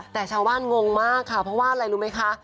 แต่ชาวบ้านงงมากค่ะเพราะว่าอะไรรู้ไหมคะ